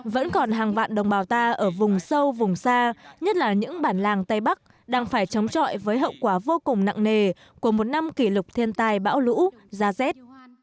vẫn còn hàng vạn đồng bào ta ở vùng sâu vùng xa nhất là những bản làng tây bắc đang phải chống chọi với hậu quả vô cùng nặng nề của một năm kỷ lục thiên tai bão lũ ra rét